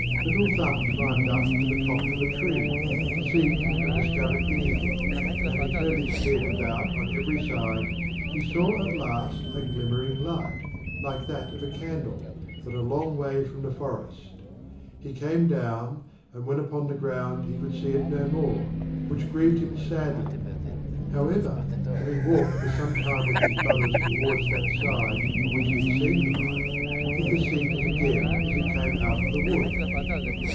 Little Thumb climbed up to the top of a tree, to see if he could discover any thing; and having turned his head about on every side, he saw at last a glimmering light, like that of a candle, but a long way from the forest. He came down, and, when upon the ground, he could see it no more, which grieved him sadly. However, having walked for some time with his brothers towards that side on which he had seen the light, he perceived it again as he came out of the wood.